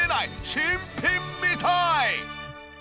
新品みたい！